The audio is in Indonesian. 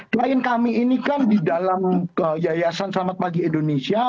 klien kami ini kan di dalam yayasan selamat pagi indonesia